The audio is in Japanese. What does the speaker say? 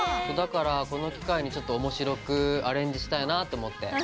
だからこの機会にちょっと面白くアレンジしたいなと思って。